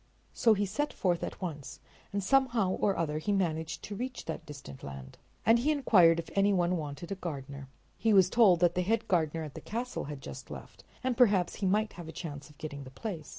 So he set forth at once, and somehow or other he managed to reach that distant land. And he inquired if any one wanted a gardener. He was told that the head gardener at the castle had just left, and perhaps he might have a chance of getting the place.